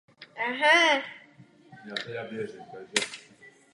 Avšak svou vládu nedokázal stabilizovat.